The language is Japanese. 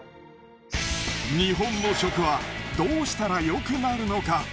日本の食はどうしたらよくなるのか？